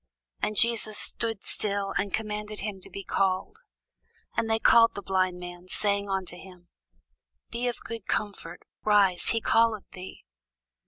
And Jesus stood still, and commanded him to be called. And they call the blind man, saying unto him, Be of good comfort, rise; he calleth thee.